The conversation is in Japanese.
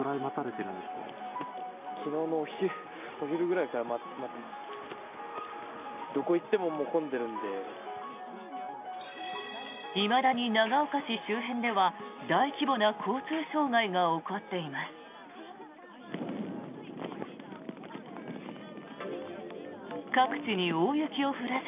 いまだに長岡市周辺では大規模な交通障害が起こっています。